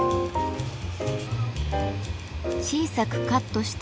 小さくカットした